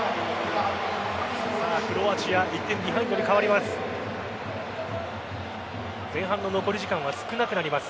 クロアチア１点ビハインドに変わります。